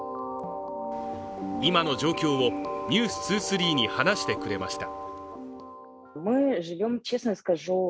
今の状況を「ｎｅｗｓ２３」に話してくれました。